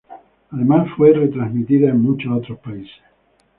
Además fue retransmitida en muchos otros países.